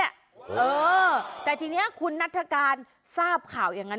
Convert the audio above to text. เออแต่ทีนี้คุณนัฐกาลทราบข่าวอย่างนั้น